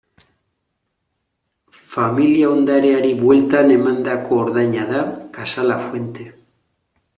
Familia ondareari bueltan emandako ordaina da Casa Lafuente.